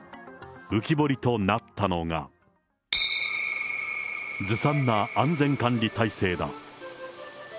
浮き彫りとなったのが、ずさんな安全管理体制だ。